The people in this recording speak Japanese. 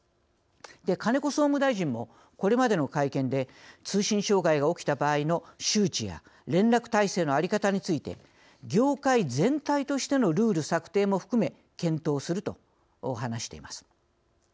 金子総務大臣もこれまでの会見で通信障害が起きた場合の周知や連絡体制の在り方について「業界全体としてのルール策定も含め検討する」と話しています。